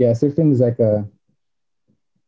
ya surfing itu seperti